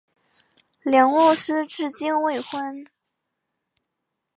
梁洛施至今未婚。